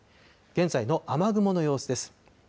現在の雨雲の様子です。